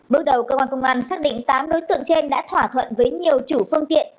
bước đầu cơ quan công an xác định tám đối tượng trên đã thỏa thuận với nhiều chủ phương tiện